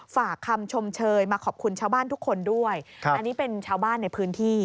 ฝากคำชมเชยมาขอบคุณชาวบ้านทุกคนด้วยอันนี้เป็นชาวบ้านในพื้นที่